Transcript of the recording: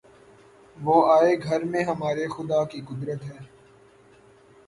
وہ آئے گھر میں ہمارے‘ خدا کی قدرت ہے!